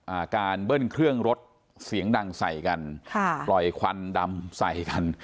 อ่าการเบิ้ลเครื่องรถเสียงดังใส่กันค่ะปล่อยควันดำใส่กัน